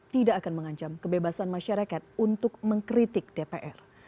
tidak akan mengancam kebebasan masyarakat untuk mengkritik dpr